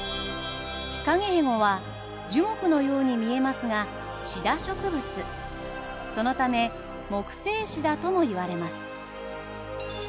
ヒカゲヘゴは樹木のように見えますがシダ植物そのため木生シダともいわれます。